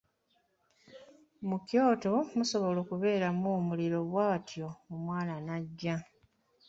Mu kyoto musobola okubeeramu omuliro bw'atyo omwana n'aggya.